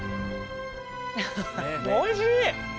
おいしい。